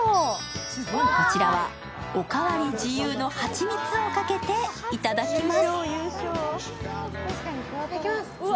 こちらは、お代わり自由の蜂蜜をかけていただきます。